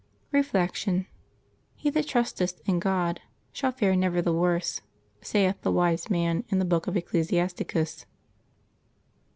Reflection. —" He that trusteth in God shall fare never the worse," saith the Wise Man in the Book of Ecclesi asticus.